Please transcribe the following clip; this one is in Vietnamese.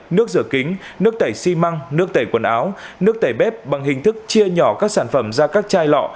nước rửa kính nước tẩy xi măng nước tẩy quần áo nước tẩy bếp bằng hình thức chia nhỏ các sản phẩm ra các chai lọ